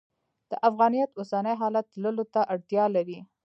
د افغانیت اوسني حالت تللو ته اړتیا لري.